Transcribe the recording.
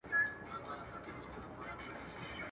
ورته اور هم پاچهي هم یې وطن سو.